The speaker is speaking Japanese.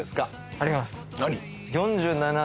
あります何？